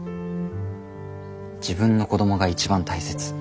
自分の子供が一番大切。